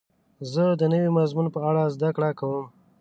زه د نوي مضمون په اړه زده کړه کوم.